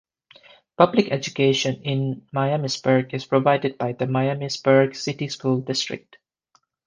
Public education in Miamisburg is provided by the Miamisburg City School District.